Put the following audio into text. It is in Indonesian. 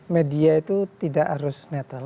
media itu tidak harus netral